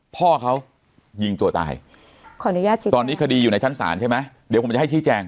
พ่อเขายิงตัวตายขออนุญาตชี้ตอนนี้คดีอยู่ในชั้นศาลใช่ไหมเดี๋ยวผมจะให้ชี้แจง